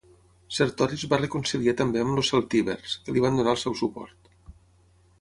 Sertori es va reconciliar també amb els celtibers, que li van donar el seu suport.